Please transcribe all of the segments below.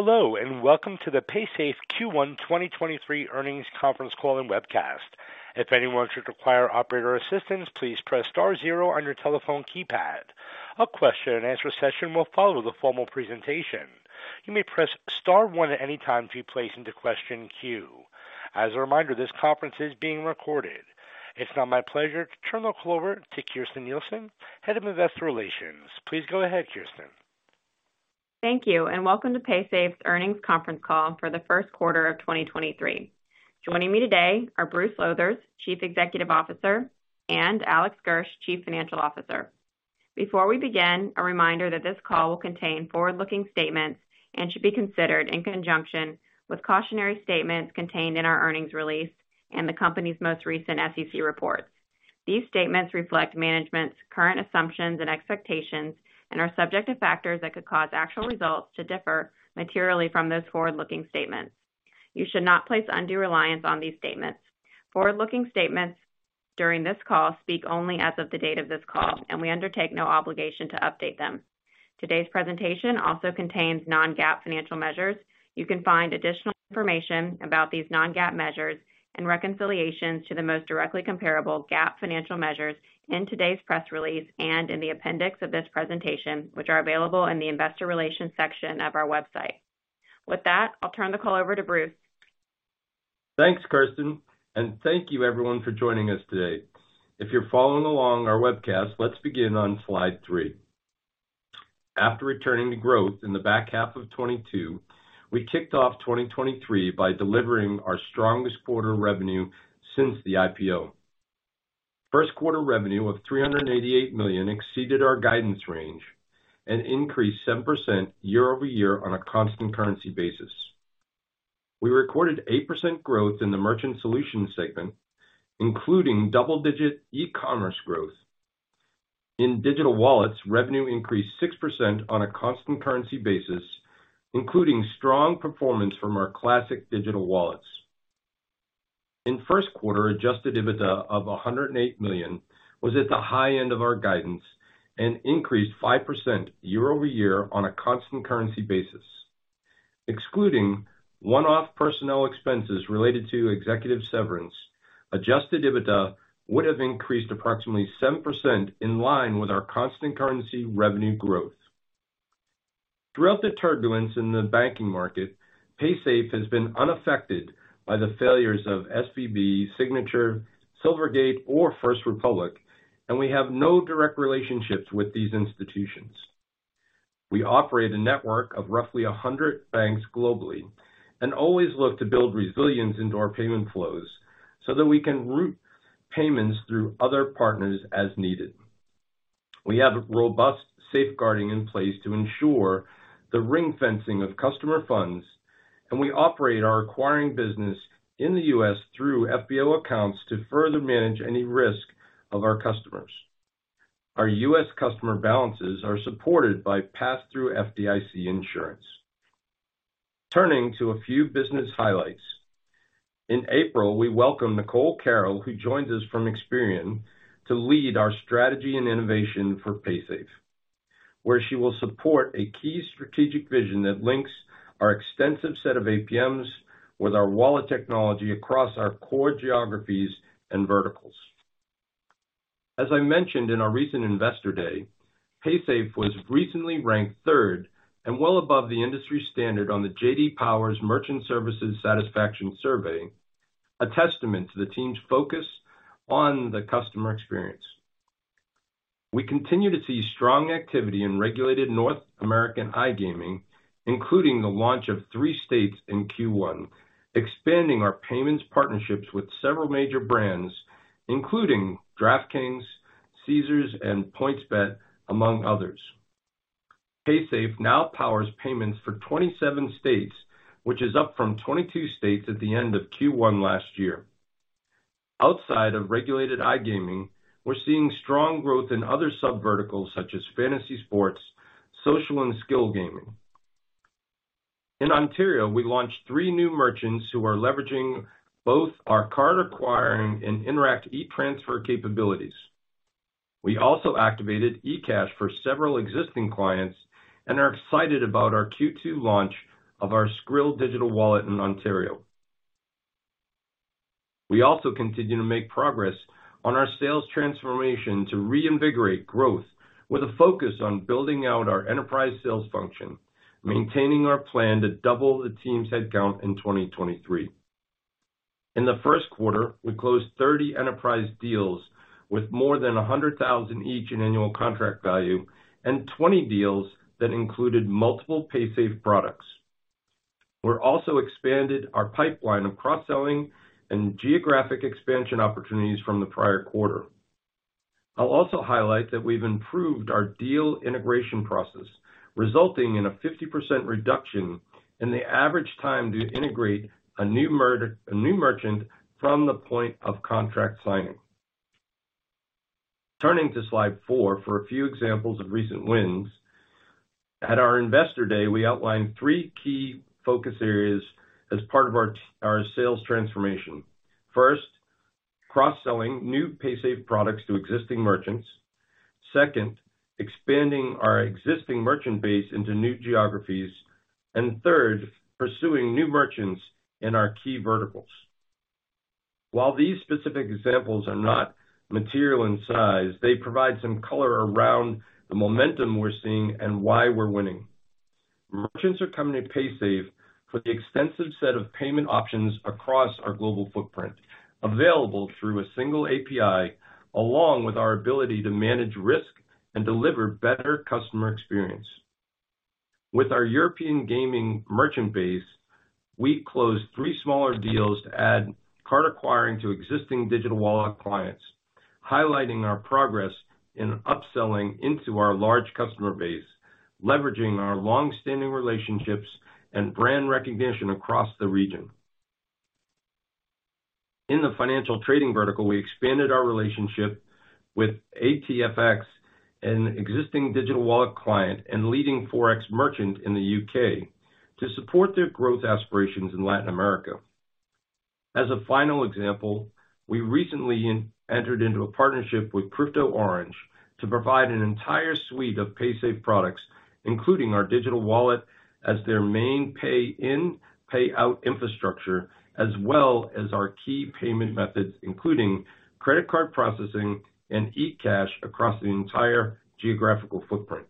Hello, welcome to the Paysafe Q1 2023 earnings conference call and webcast. If anyone should require operator assistance, please press star zero on your telephone keypad. A question and answer session will follow the formal presentation. You may press star zero at any time to be placed into question queue. As a reminder, this conference is being recorded. It's now my pleasure to turn the call over to Kirsten Nielsen, Head of Investor Relations. Please go ahead, Kirsten. Thank you, and welcome to Paysafe's earnings conference call for the first quarter of 2023. Joining me today are Bruce Lowthers, Chief Executive Officer, and Alex Gersh, Chief Financial Officer. Before we begin, a reminder that this call will contain forward-looking statements and should be considered in conjunction with cautionary statements contained in our earnings release and the company's most recent SEC reports. These statements reflect management's current assumptions and expectations and are subject to factors that could cause actual results to differ materially from those forward-looking statements. You should not place undue reliance on these statements. Forward-looking statements during this call speak only as of the date of this call, and we undertake no obligation to update them. Today's presentation also contains Non-GAAP financial measures. You can find additional information about these Non-GAAP measures and reconciliations to the most directly comparable GAAP financial measures in today's press release and in the appendix of this presentation, which are available in the investor relations section of our website. With that, I'll turn the call over to Bruce. Thanks, Kirsten. Thank you everyone for joining us today. If you're following along on our webcast, let's begin on slide three. After returning to growth in the back half of 2022, we kicked off 2023 by delivering our strongest quarter revenue since the IPO. First quarter revenue of $388 million exceeded our guidance range and increased 7% year-over-year on a constant currency basis. We recorded 8% growth in the Merchant Solutions segment, including double-digit e-commerce growth. In Digital Wallets, revenue increased 6% on a constant currency basis, including strong performance from our classic Digital Wallets. In first quarter, Adjusted EBITDA of $108 million was at the high end of our guidance and increased 5% year-over-year on a constant currency basis. Excluding one-off personnel expenses related to executive severance, Adjusted EBITDA would have increased approximately 7% in line with our constant currency revenue growth. Throughout the turbulence in the banking market, Paysafe has been unaffected by the failures of SVB, Signature, Silvergate, or First Republic, and we have no direct relationships with these institutions. We operate a network of roughly 100 banks globally and always look to build resilience into our payment flows so that we can route payments through other partners as needed. We have robust safeguarding in place to ensure the ring-fencing of customer funds, and we operate our acquiring business in the U.S. through FBO accounts to further manage any risk of our customers. Our U.S. customer balances are supported by pass-through FDIC insurance. Turning to a few business highlights. In April, we welcomed Nicole Carroll, who joins us from Experian, to lead our strategy and innovation for Paysafe, where she will support a key strategic vision that links our extensive set of APMs with our wallet technology across our core geographies and verticals. As I mentioned in our recent Investor Day, Paysafe was recently ranked third and well above the industry standard on the J.D. Power Merchant Services Satisfaction Survey, a testament to the team's focus on the customer experience. We continue to see strong activity in regulated North American iGaming, including the launch of three states in Q1, expanding our payments partnerships with several major brands, including DraftKings, Caesars, and PointsBet, among others. Paysafe now powers payments for 27 states, which is up from 22 states at the end of Q1 last year. Outside of regulated iGaming, we're seeing strong growth in other subverticals such as fantasy sports, social and skill gaming. In Ontario, we launched 3 new merchants who are leveraging both our card acquiring and Interac e-Transfer capabilities. We also activated eCash for several existing clients and are excited about our Q2 launch of our Skrill digital wallet in Ontario. We also continue to make progress on our sales transformation to reinvigorate growth with a focus on building out our enterprise sales function, maintaining our plan to double the team's headcount in 2023. In the first quarter, we closed 30 enterprise deals with more than $100,000 each in annual contract value and 20 deals that included multiple Paysafe products. We're also expanded our pipeline of cross-selling and geographic expansion opportunities from the prior quarter. I'll also highlight that we've improved our deal integration process, resulting in a 50% reduction in the average time to integrate a new merchant from the point of contract signing. Turning to slide four for a few examples of recent wins. At our Investor Day, we outlined three key focus areas as part of our sales transformation. First, cross-selling new Paysafe products to existing merchants. Second, expanding our existing merchant base into new geographies. Third, pursuing new merchants in our key verticals. While these specific examples are not material in size, they provide some color around the momentum we're seeing and why we're winning. Merchants are coming to Paysafe for the extensive set of payment options across our global footprint available through a single API, along with our ability to manage risk and deliver better customer experience. With our European gaming merchant base, we closed three smaller deals to add card acquiring to existing digital wallet clients, highlighting our progress in upselling into our large customer base, leveraging our long-standing relationships and brand recognition across the region. In the financial trading vertical, we expanded our relationship with ATFX, an existing digital wallet client and leading forex merchant in the U.K. to support their growth aspirations in Latin America. As a final example, we recently entered into a partnership with Crypto Orange to provide an entire suite of Paysafe products, including our digital wallet as their main pay in-pay out infrastructure, as well as our key payment methods, including credit card processing and eCash across the entire geographical footprint.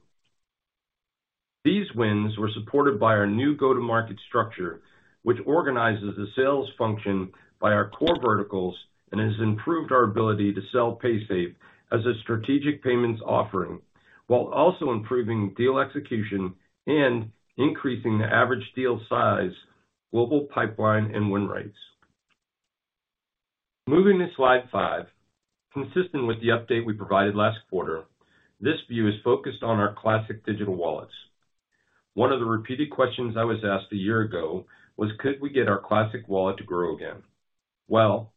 These wins were supported by our new go-to-market structure, which organizes the sales function by our core verticals and has improved our ability to sell Paysafe as a strategic payments offering while also improving deal execution and increasing the average deal size, global pipeline and win rates. Moving to slide five. Consistent with the update we provided last quarter, this view is focused on our classic digital wallets. One of the repeated questions I was asked a year ago was, could we get our classic wallet to grow again? Well,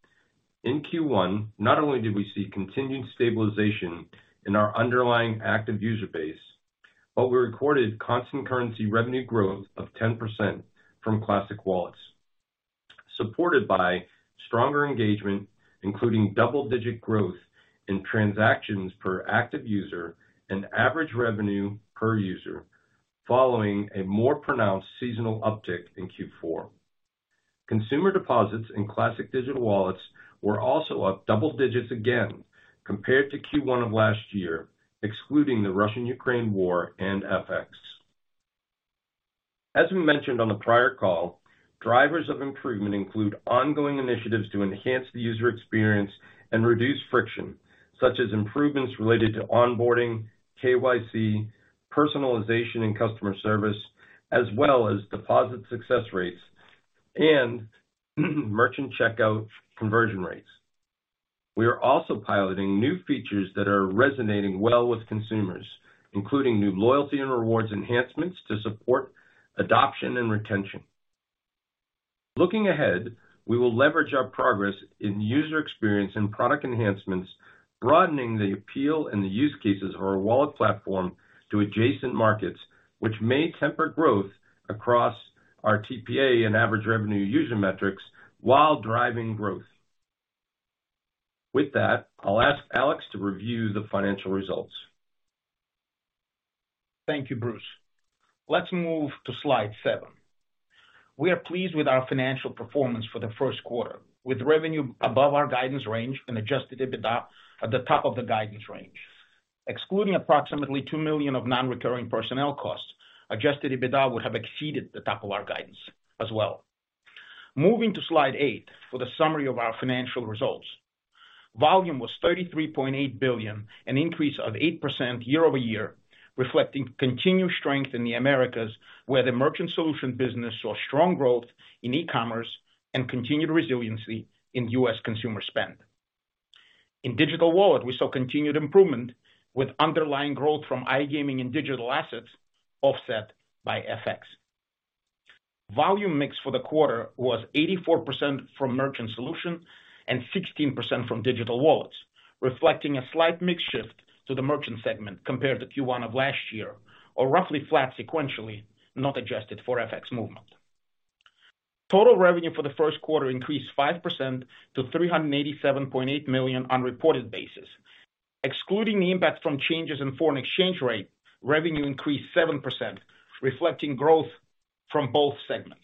in Q1, not only did we see continued stabilization in our underlying active user base, but we recorded constant currency revenue growth of 10% from classic wallets, supported by stronger engagement, including double-digit growth in transactions per active user and average revenue per user following a more pronounced seasonal uptick in Q4. Consumer deposits in classic Digital Wallets were also up double digits again compared to Q1 of last year, excluding the Russo-Ukrainian War and FX. As we mentioned on the prior call, drivers of improvement include ongoing initiatives to enhance the user experience and reduce friction, such as improvements related to onboarding, KYC, personalization and customer service, as well as deposit success rates and merchant checkout conversion rates. We are also piloting new features that are resonating well with consumers, including new loyalty and rewards enhancements to support adoption and retention. Looking ahead, we will leverage our progress in user experience and product enhancements, broadening the appeal and the use cases of our wallet platform to adjacent markets which may temper growth across our TPA and average revenue user metrics while driving growth. With that, I'll ask Alex to review the financial results. Thank you, Bruce. Let's move to slide 7. We are pleased with our financial performance for the first quarter, with revenue above our guidance range and adjusted EBITDA at the top of the guidance range. Excluding approximately $2 million of non-recurring personnel costs, adjusted EBITDA would have exceeded the top of our guidance as well. Moving to slide 8 for the summary of our financial results. Volume was $33.8 billion, an increase of 8% year-over-year, reflecting continued strength in the Americas, where the Merchant Solutions business saw strong growth in e-commerce and continued resiliency in U.S. consumer spend. In Digital Wallets, we saw continued improvement with underlying growth from iGaming and digital assets offset by FX. Volume mix for the quarter was 84% from Merchant Solutions and 16% from Digital Wallets, reflecting a slight mix shift to the merchant segment compared to Q1 of last year, or roughly flat sequentially, not adjusted for FX movement. Total revenue for the first quarter increased 5% to $387.8 million on reported basis. Excluding the impact from changes in foreign exchange rate, revenue increased 7%, reflecting growth from both segments.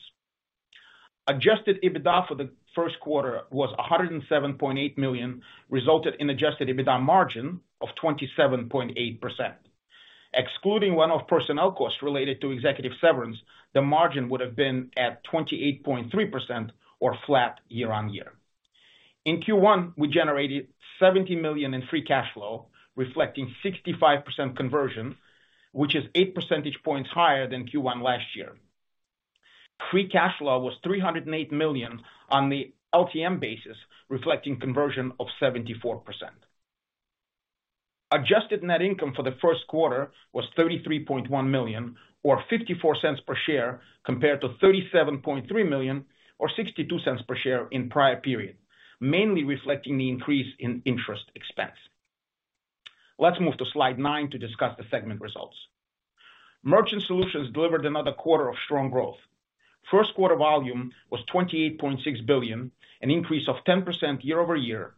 Adjusted EBITDA for the first quarter was $107.8 million, resulted in Adjusted EBITDA margin of 27.8%. Excluding one-off personnel costs related to executive severance, the margin would have been at 28.3% or flat year-on-year. In Q1, we generated $70 million in free cash flow, reflecting 65% conversion, which is 8 percentage points higher than Q1 last year. Free cash flow was $308 million on the LTM basis, reflecting conversion of 74%. Adjusted net income for the first quarter was $33.1 million or $0.54 per share, compared to $37.3 million or $0.62 per share in prior period, mainly reflecting the increase in interest expense. Let's move to slide nine to discuss the segment results. Merchant Solutions delivered another quarter of strong growth. First quarter volume was $28.6 billion, an increase of 10% year-over-year,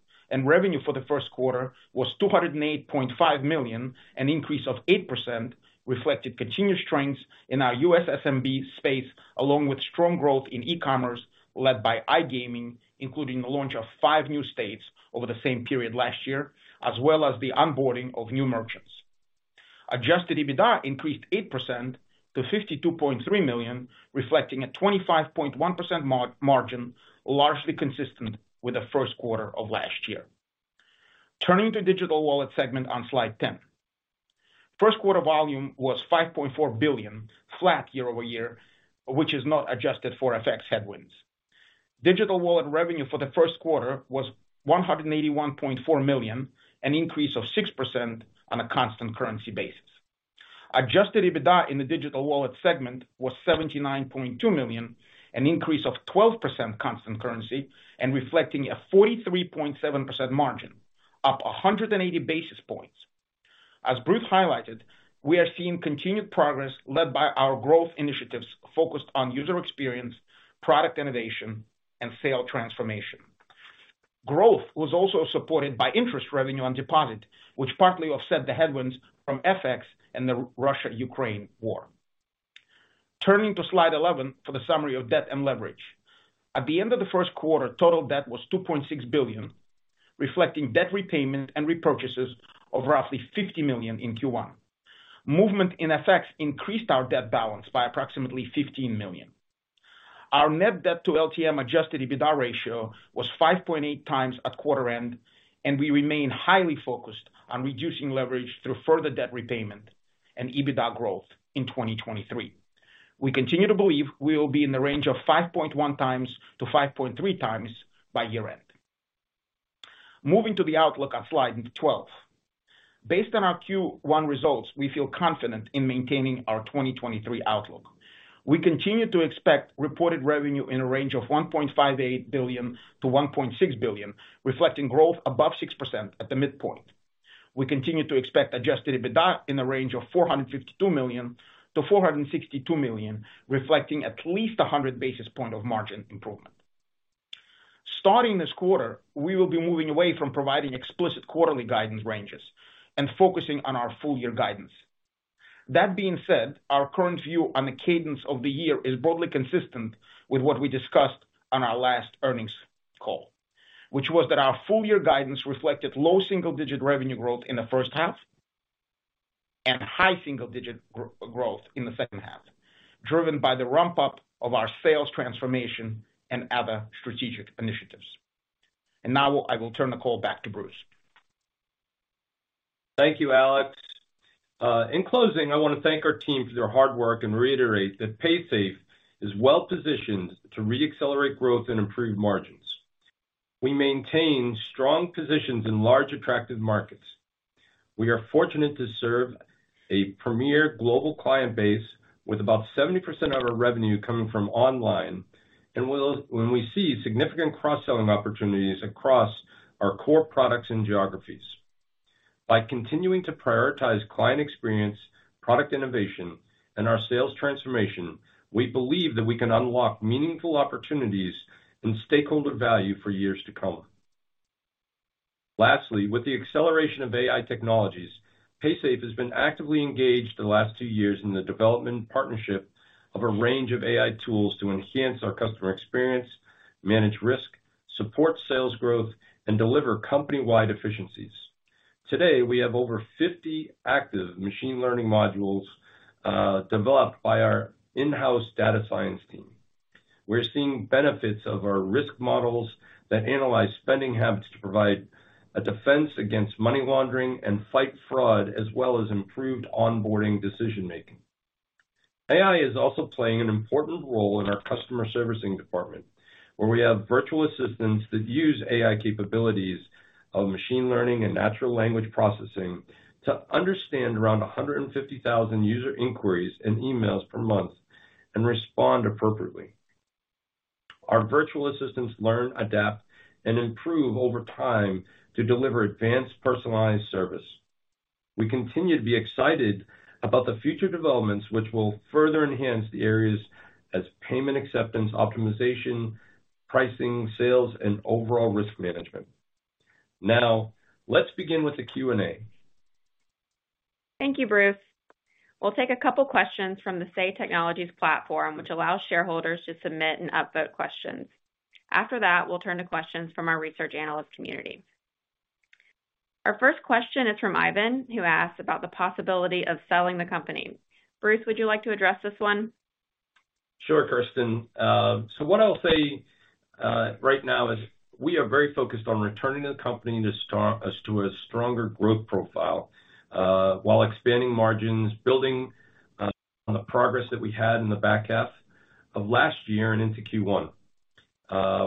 revenue for the first quarter was $208.5 million, an increase of 8% reflected continued strength in our U.S. SMB space, along with strong growth in e-commerce led by iGaming, including the launch of 5 new states over the same period last year, as well as the onboarding of new merchants. Adjusted EBITDA increased 8% to $52.3 million, reflecting a 25.1% margin, largely consistent with the first quarter of last year. Turning to Digital Wallets segment on slide 10. First quarter volume was $5.4 billion, flat year-over-year, which is not adjusted for FX headwinds. Digital Wallets revenue for the first quarter was $181.4 million, an increase of 6% on a constant currency basis. Adjusted EBITDA in the Digital Wallets segment was $79.2 million, an increase of 12% constant currency and reflecting a 43.7% margin, up 180 basis points. As Bruce highlighted, we are seeing continued progress led by our growth initiatives focused on user experience, product innovation, and sale transformation. Growth was also supported by interest revenue on deposit, which partly offset the headwinds from FX and the Russo-Ukrainian War. Turning to slide 11 for the summary of debt and leverage. At the end of the first quarter, total debt was $2.6 billion, reflecting debt repayment and repurchases of roughly $50 million in Q1. Movement in FX increased our debt balance by approximately $15 million. Our net debt to LTM Adjusted EBITDA ratio was 5.8 times at quarter end, and we remain highly focused on reducing leverage through further debt repayment and EBITDA growth in 2023. We continue to believe we will be in the range of 5.1 times to 5.3 times by year end. Moving to the outlook on slide 12. Based on our Q1 results, we feel confident in maintaining our 2023 outlook. We continue to expect reported revenue in a range of $1.58 billion-$1.6 billion, reflecting growth above 6% at the midpoint. We continue to expect Adjusted EBITDA in the range of $452 million-$462 million, reflecting at least 100 basis points of margin improvement. Starting this quarter, we will be moving away from providing explicit quarterly guidance ranges and focusing on our full year guidance. That being said, our current view on the cadence of the year is broadly consistent with what we discussed on our last earnings call, which was that our full year guidance reflected low single-digit revenue growth in the first half and high single-digit growth in the second half, driven by the ramp-up of our sales transformation and other strategic initiatives. Now I will turn the call back to Bruce. Thank you, Alex. In closing, I wanna thank our team for their hard work and reiterate that Paysafe is well-positioned to re-accelerate growth and improve margins. We maintain strong positions in large attractive markets. We are fortunate to serve a premier global client base with about 70% of our revenue coming from online and when we see significant cross-selling opportunities across our core products and geographies. By continuing to prioritize client experience, product innovation, and our sales transformation, we believe that we can unlock meaningful opportunities and stakeholder value for years to come. Lastly, with the acceleration of AI technologies, Paysafe has been actively engaged the last two years in the development partnership of a range of AI tools to enhance our customer experience, manage risk, support sales growth, and deliver company-wide efficiencies. Today, we have over 50 active machine learning modules, developed by our in-house data science team. We're seeing benefits of our risk models that analyze spending habits to provide a defense against money laundering and fight fraud, as well as improved onboarding decision-making. AI is also playing an important role in our customer servicing department, where we have virtual assistants that use AI capabilities of machine learning and natural language processing to understand around 150,000 user inquiries and emails per month and respond appropriately. Our virtual assistants learn, adapt, and improve over time to deliver advanced personalized service. We continue to be excited about the future developments which will further enhance the areas as payment acceptance, optimization, pricing, sales, and overall risk management. Let's begin with the Q&A. Thank you, Bruce. We'll take a couple questions from the Say Technologies platform, which allows shareholders to submit and upvote questions. After that, we'll turn to questions from our research analyst community. Our first question is from Ivan, who asks about the possibility of selling the company. Bruce, would you like to address this one? Sure, Kirsten. What I'll say right now is we are very focused on returning the company to a stronger growth profile, while expanding margins, building on the progress that we had in the back half of last year and into Q1.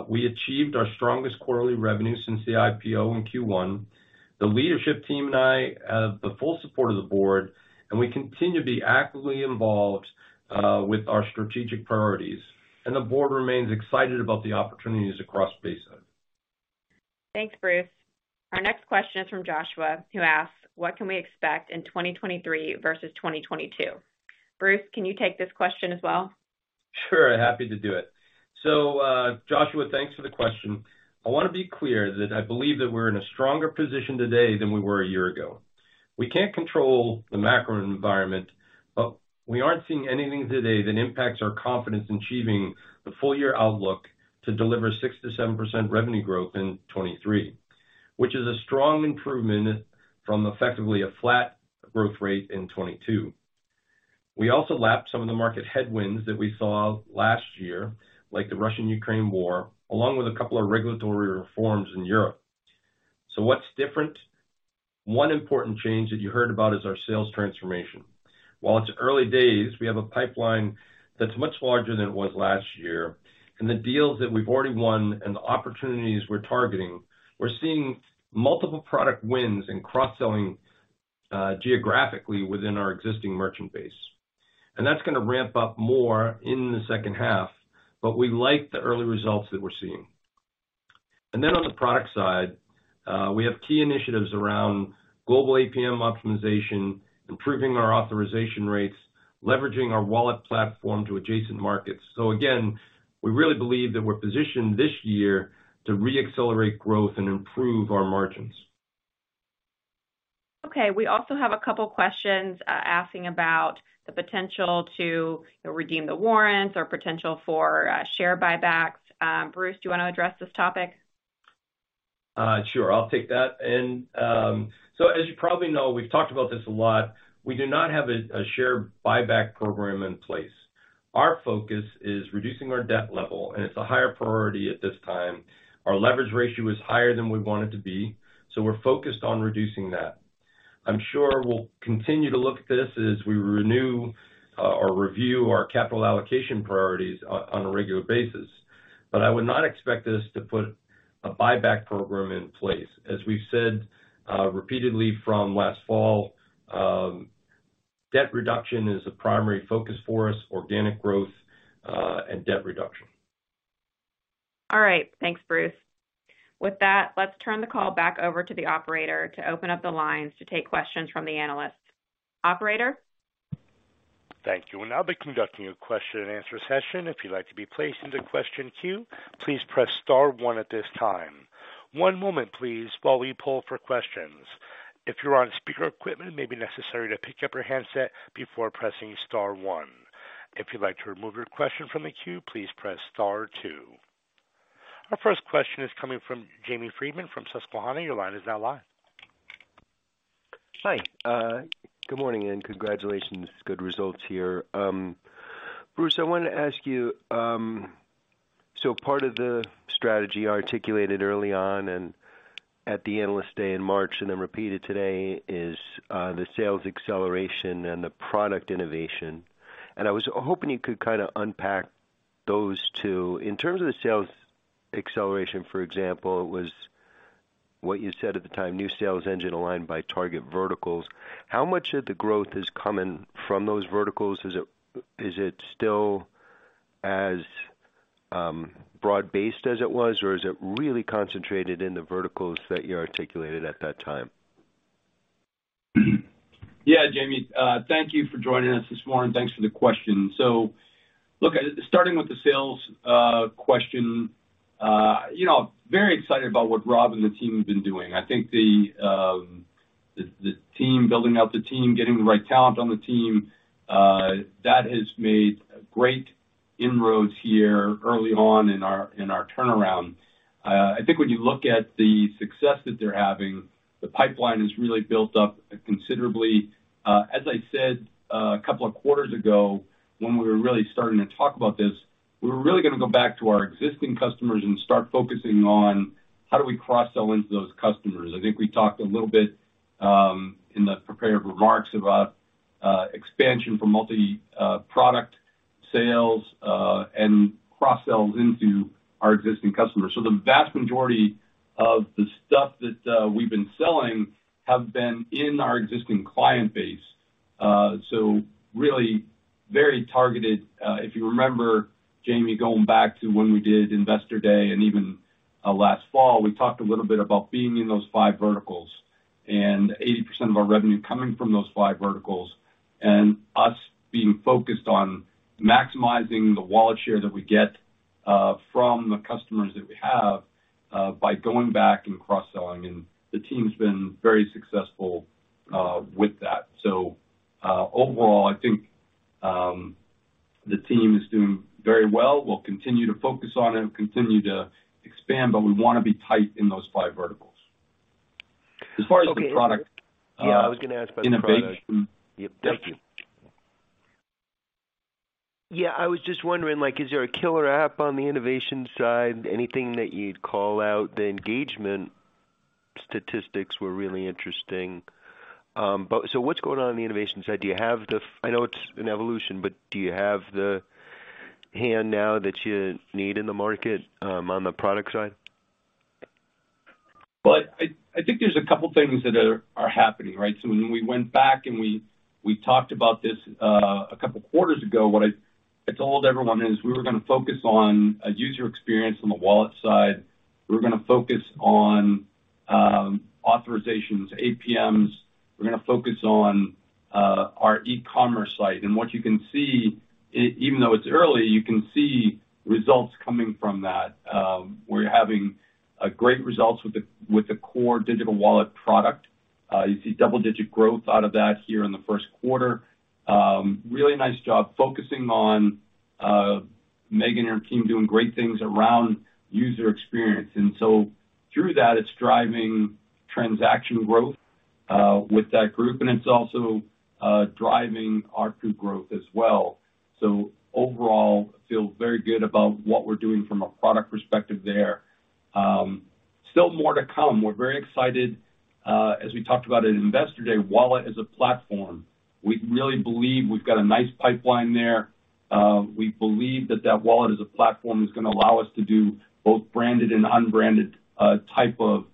We achieved our strongest quarterly revenue since the IPO in Q1. The leadership team and I have the full support of the board, and we continue to be actively involved with our strategic priorities. The board remains excited about the opportunities across Paysafe. Thanks, Bruce. Our next question is from Joshua, who asks, "What can we expect in 2023 versus 2022?" Bruce, can you take this question as well? Sure. Happy to do it. Joshua, thanks for the question. I wanna be clear that I believe that we're in a stronger position today than we were a year ago. We can't control the macro environment, but we aren't seeing anything today that impacts our confidence in achieving the full year outlook to deliver 6%-7% revenue growth in 2023, which is a strong improvement from effectively a flat growth rate in 2022. We also lapped some of the market headwinds that we saw last year, like the Russo-Ukrainian War, along with a couple of regulatory reforms in Europe. What's different? One important change that you heard about is our sales transformation. While it's early days, we have a pipeline that's much larger than it was last year. In the deals that we've already won and the opportunities we're targeting, we're seeing multiple product wins and cross-selling, geographically within our existing merchant base. That's gonna ramp up more in the second half, but we like the early results that we're seeing. Then on the product side, we have key initiatives around global APM optimization, improving our authorization rates, leveraging our wallet platform to adjacent markets. Again, we really believe that we're positioned this year to re-accelerate growth and improve our margins. Okay. We also have a couple questions, asking about the potential to redeem the warrants or potential for share buybacks. Bruce, do you wanna address this topic? Sure. I'll take that. As you probably know, we've talked about this a lot. We do not have a share buyback program in place. Our focus is reducing our debt level, and it's a higher priority at this time. Our leverage ratio is higher than we want it to be, we're focused on reducing that. I'm sure we'll continue to look at this as we renew or review our capital allocation priorities on a regular basis. I would not expect us to put a buyback program in place. As we've said, repeatedly from last fall, debt reduction is a primary focus for us, organic growth, and debt reduction. All right. Thanks, Bruce. With that, let's turn the call back over to the operator to open up the lines to take questions from the analysts. Operator? Thank you. We'll now be conducting a question-and-answer session. If you'd like to be placed into question queue, please press star one at this time. One moment, please, while we poll for questions. If you're on speaker equipment, it may be necessary to pick up your handset before pressing star one. If you'd like to remove your question from the queue, please press star two. Our first question is coming from Jamie Friedman from Susquehanna. Your line is now live. Hi. Good morning, and congratulations. Good results here. Bruce, I wanted to ask you. Part of the strategy articulated early on and at the Investor Day in March and then repeated today is the sales acceleration and the product innovation. I was hoping you could kinda unpack those two. In terms of the sales acceleration, for example, it was what you said at the time, new sales engine aligned by target verticals. How much of the growth is coming from those verticals? Is it still as broad-based as it was, or is it really concentrated in the verticals that you articulated at that time? Jamie. Thank you for joining us this morning. Thanks for the question. Look, starting with the sales question, you know, very excited about what Rob and the team have been doing. I think the team, building out the team, getting the right talent on the team, that has made great inroads here early on in our turnaround. I think when you look at the success that they're having, the pipeline has really built up considerably. As I said a couple of quarters ago when we were starting to talk about this, we were gonna go back to our existing customers and start focusing on how do we cross-sell into those customers. I think we talked a little bit in the prepared remarks about expansion from multi product sales and cross-sells into our existing customers. The vast majority of the stuff that we've been selling have been in our existing client base. Really very targeted. If you remember, Jamie, going back to when we did Investor Day and even last fall, we talked a little bit about being in those five verticals and 80% of our revenue coming from those 5 verticals and us being focused on maximizing the wallet share that we get from the customers that we have by going back and cross-selling, and the team's been very successful with that. Overall, I think the team is doing very well. We'll continue to focus on it and continue to expand, but we wanna be tight in those five verticals. As far as the product- Okay. Yeah, I was gonna ask about the product. -innovation. Yep. Thank you. Yeah, I was just wondering, like, is there a killer app on the innovation side? Anything that you'd call out? The engagement statistics were really interesting. What's going on on the innovation side? I know it's an evolution, but do you have the hand now that you need in the market, on the product side? Well, I think there's a couple things that are happening, right? When we went back and we talked about this, a couple quarters ago. I told everyone is we were gonna focus on a user experience on the wallet side. We're gonna focus on authorizations, APMs. We're gonna focus on our e-commerce site. What you can see, even though it's early, you can see results coming from that. We're having great results with the core digital wallet product. You see double-digit growth out of that here in the first quarter. Really nice job focusing on Megan and her team doing great things around user experience. Through that, it's driving transaction growth with that group, and it's also driving ARPU growth as well. Overall, feel very good about what we're doing from a product perspective there. Still more to come. We're very excited, as we talked about at Investor Day, wallet as a platform. We really believe we've got a nice pipeline there. We believe that that wallet as a platform is gonna allow us to do both branded and unbranded type of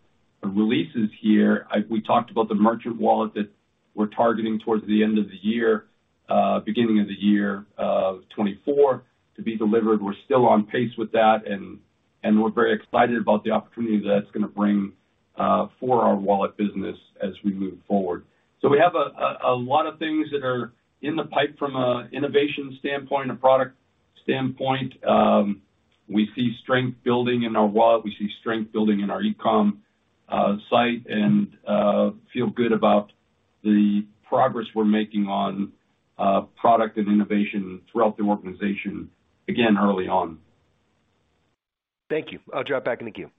releases here. We talked about the merchant wallet that we're targeting towards the end of the year, beginning of the year, 2024 to be delivered. We're still on pace with that, and we're very excited about the opportunity that's gonna bring for our wallet business as we move forward. We have a lot of things that are in the pipe from a innovation standpoint, a product standpoint. We see strength building in our wallet. We see strength building in our e-com site, and feel good about the progress we're making on product and innovation throughout the organization, again, early on. Thank you. I'll drop back in the queue.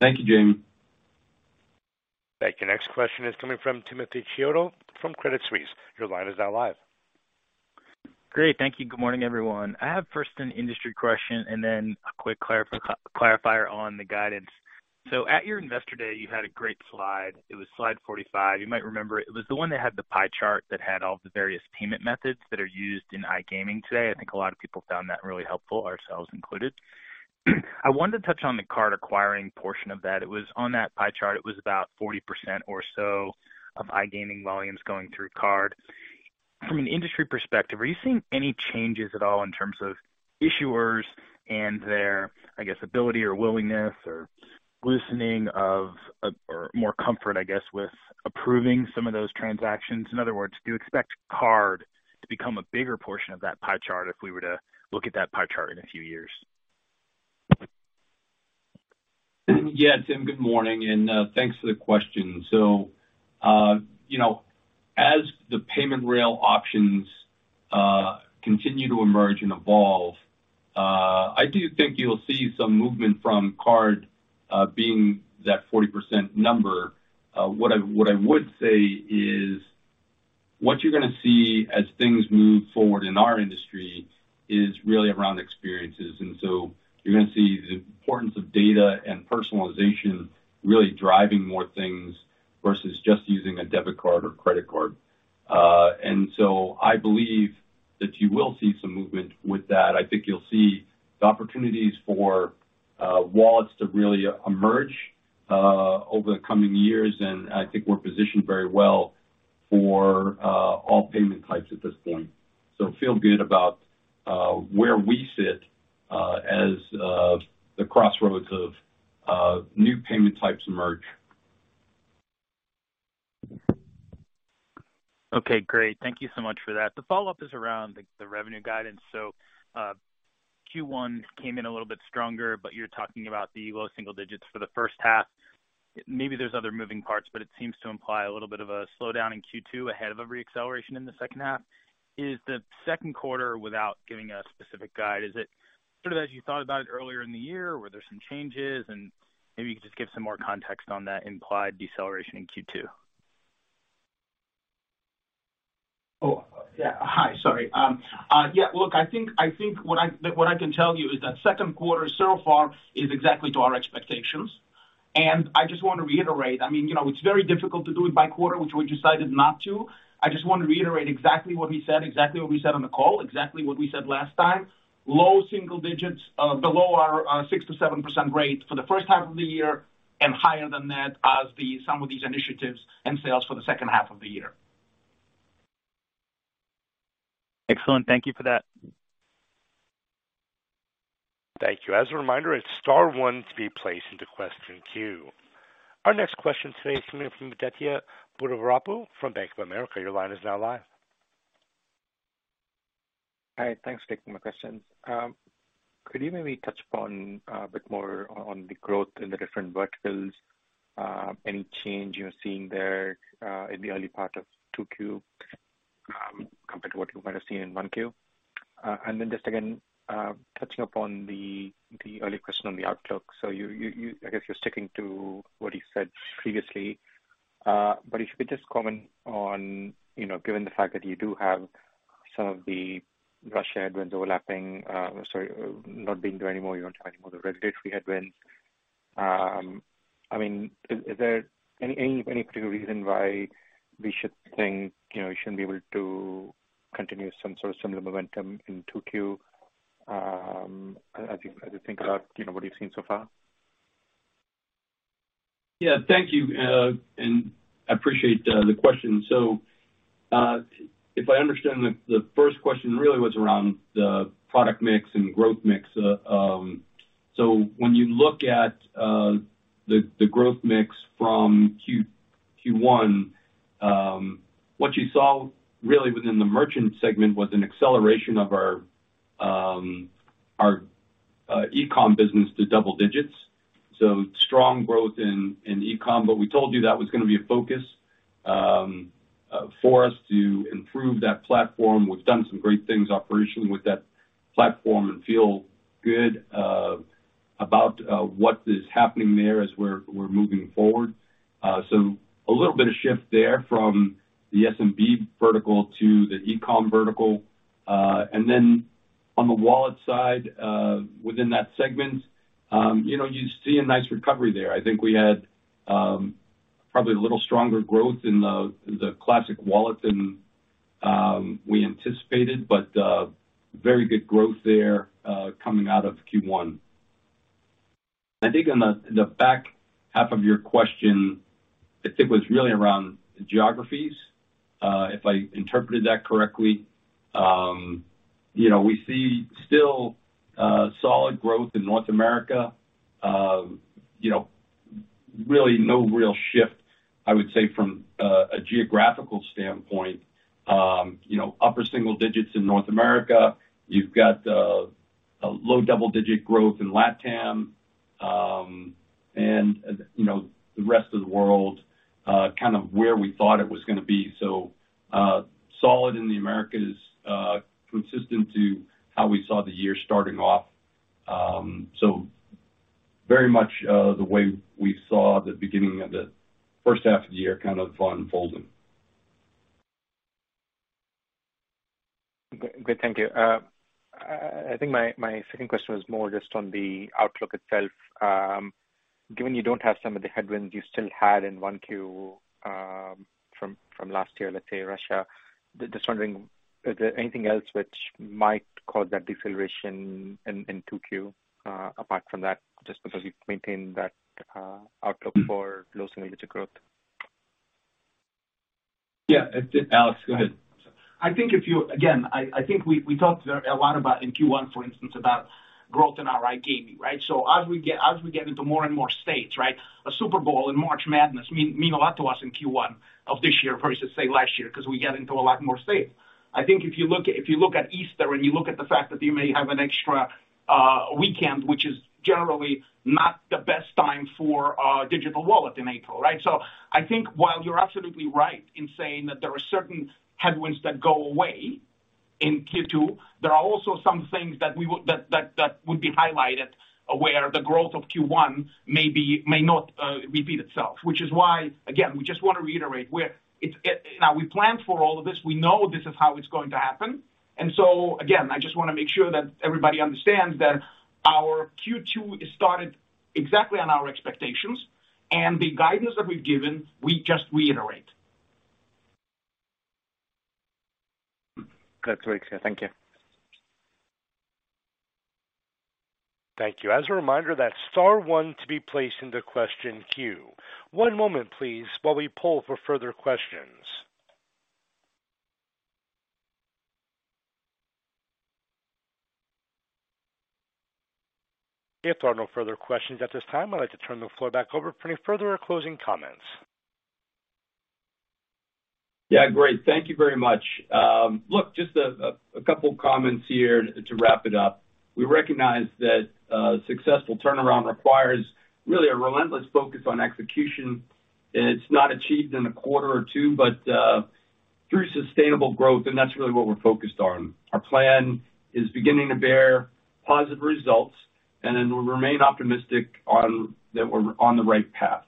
Thank you, Jamie. Thank you. Next question is coming from Timothy Chiodo from Credit Suisse. Your line is now live. Great. Thank you. Good morning, everyone. I have first an industry question and then a quick clarifier on the guidance. At your Investor Day, you had a great slide. It was slide 45. You might remember it. It was the one that had the pie chart that had all the various payment methods that are used in iGaming today. I think a lot of people found that really helpful, ourselves included. I wanted to touch on the card acquiring portion of that. It was on that pie chart. It was about 40% or so of iGaming volumes going through card. From an industry perspective, are you seeing any changes at all in terms of issuers and their, I guess, ability or willingness or loosening of, or more comfort, I guess, with approving some of those transactions? In other words, do you expect card to become a bigger portion of that pie chart if we were to look at that pie chart in a few years? Yeah, Tim, good morning, and thanks for the question. You know, as the payment rail options continue to emerge and evolve, I do think you'll see some movement from card, being that 40% number. What I would say is what you're gonna see as things move forward in our industry is really around experiences. You're gonna see the importance of data and personalization really driving more things versus just using a debit card or credit card. I believe that you will see some movement with that. I think you'll see the opportunities for wallets to really emerge over the coming years, and I think we're positioned very well for all payment types at this point. Feel good about where we sit as the crossroads of new payment types emerge. Okay, great. Thank you so much for that. The follow-up is around the revenue guidance. Q1 came in a little bit stronger, but you're talking about the low single digits for the first half. Maybe there's other moving parts, but it seems to imply a little bit of a slowdown in Q2 ahead of a re-acceleration in the second half. Is the second quarter, without giving a specific guide, is it sort of as you thought about it earlier in the year? Were there some changes? Maybe you could just give some more context on that implied deceleration in Q2. Yeah, look, I think what I can tell you is that second quarter so far is exactly to our expectations. I just want to reiterate, I mean, you know, it's very difficult to do it by quarter, which we decided not to. I just want to reiterate exactly what we said, exactly what we said on the call, exactly what we said last time. Low single digits, below our 6%-7% rate for the first half of the year and higher than that as the sum of these initiatives and sales for the second half of the year. Excellent. Thank you for that. Thank you. As a reminder, it's star one to be placed into question queue. Our next question today is coming from Aditya Buddhavarapu from Bank of America. Your line is now live. Hi. Thanks for taking my questions. Could you maybe touch upon a bit more on the growth in the different verticals? Any change you're seeing there in the early part of 2Q compared to what you might have seen in 1Q? Just again, touching upon the early question on the outlook. You I guess you're sticking to what you said previously. If you could just comment on, you know, given the fact that you do have some of the Russia headwinds overlapping, sorry, not being there anymore. You don't have anymore the regulatory headwinds. I mean, is there any particular reason why we should think, you know, you shouldn't be able to continue some sort of similar momentum in 2Q, as you, as you think about, you know, what you've seen so far? Yeah. Thank you. I appreciate the question. If I understand the first question really was around the product mix and growth mix. When you look at the growth mix from Q1, what you saw really within the merchant segment was an acceleration of our e-com business to double digits, strong growth in e-com. We told you that was gonna be a focus for us to improve that platform. We've done some great things operationally with that platform and feel good about what is happening there as we're moving forward. A little bit of shift there from the SMB vertical to the e-com vertical. On the wallet side, within that segment, you know, you see a nice recovery there. I think we had probably a little stronger growth in the classic wallet than we anticipated, but very good growth there coming out of Q1. I think on the back half of your question, I think was really around geographies, if I interpreted that correctly. You know, we see still solid growth in North America. You know, really no real shift, I would say, from a geographical standpoint. You know, upper single digits in North America. You've got a low double-digit growth in LatAm. You know, the rest of the world kind of where we thought it was gonna be. Solid in the Americas, consistent to how we saw the year starting off. Very much, the way we saw the beginning of the first half of the year kind of unfolding. Great. Thank you. I think my second question was more just on the outlook itself. Given you don't have some of the headwinds you still had in 1Q from last year, let's say Russia. Just wondering, is there anything else which might cause that deceleration in 2Q apart from that, just because you've maintained that outlook for low single-digit growth? Yeah. Alex, go ahead. I think Again, I think we talked a lot about in Q1, for instance, about growth in iGaming, right? As we get into more and more states, right? A Super Bowl and March Madness mean a lot to us in Q1 of this year versus, say, last year, 'cause we get into a lot more states. I think if you look at Easter and you look at the fact that you may have an extra weekend, which is generally not the best time for a digital wallet in April, right? I think while you're absolutely right in saying that there are certain headwinds that go away in Q2, there are also some things that would be highlighted where the growth of Q1 may not repeat itself. Again, we just wanna reiterate Now we planned for all of this, we know this is how it's going to happen. Again, I just wanna make sure that everybody understands that our Q2 is started exactly on our expectations and the guidance that we've given, we just reiterate. That's very clear. Thank you. Thank you. As a reminder, that's star one to be placed into question queue. One moment, please, while we poll for further questions. If there are no further questions at this time, I'd like to turn the floor back over for any further or closing comments. Yeah, great. Thank you very much. Look, just a couple of comments here to wrap it up. We recognize that a successful turnaround requires really a relentless focus on execution. It's not achieved in a quarter or two, but through sustainable growth, and that's really what we're focused on. Our plan is beginning to bear positive results. We remain optimistic that we're on the right path.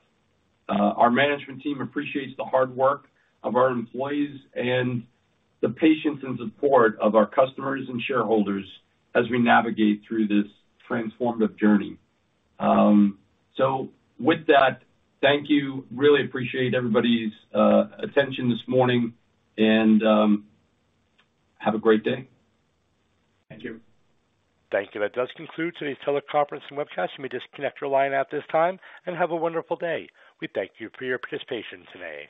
Our management team appreciates the hard work of our employees and the patience and support of our customers and shareholders as we navigate through this transformative journey. With that, thank you. Really appreciate everybody's attention this morning. Have a great day. Thank you. Thank you. That does conclude today's teleconference and webcast. You may disconnect your line at this time, and have a wonderful day. We thank you for your participation today.